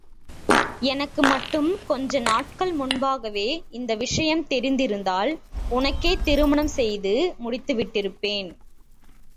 எனக்கு மட்டும், கொஞ்ச நாட்கள் முன்பாகவே இந்த விஷயம் தெரிந்திருந்தால், உனக்கே திருமணம் செய்து முடித்து விட்டிருப்பேன்.